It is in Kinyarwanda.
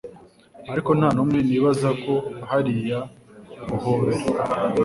Ariko ntanumwe nibaza ko hariya guhobera